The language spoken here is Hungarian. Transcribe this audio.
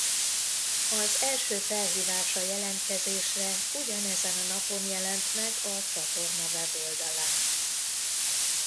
Az első felhívás a jelentkezésre ugyanezen a napon jelent meg a csatorna weboldalán.